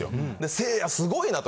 せいやすごいなと。